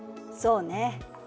そうね。